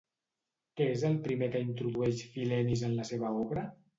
Què és el primer que introdueix Filenis en la seva obra?